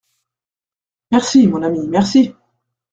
Merci, mon ami, merci !…